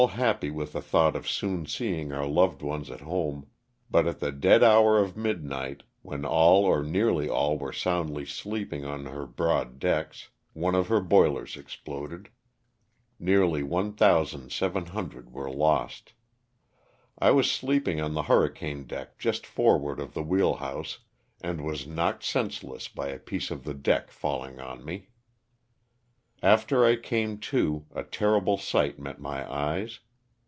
happy with the thought of soon seeing our loved ones at home ; but at the dead hour of midnight, when all or nearly all were soundly sleeping on her broad decks, one of her boilers exploded. (Nearly 1,700 were lost.) I was sleeping on the hurricane deck just forward of the wheelhouse and was knocked senseless by a piece of the deck falling on me. After I came to, a terrible sight met my eyes.